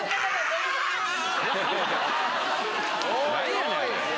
何やねん！